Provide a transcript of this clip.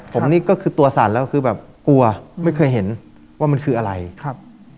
ผมนี่ก็คือตัวสั่นแล้วคือแบบกลัวไม่เคยเห็นว่ามันคืออะไรครับ